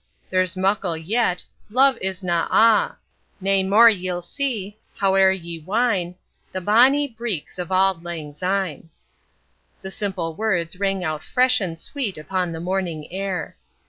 There's muckle yet, love isna' a'— Nae more ye'll see, howe'er ye whine The bonnie breeks of Auld Lang Syne!" The simple words rang out fresh and sweet upon the morning air.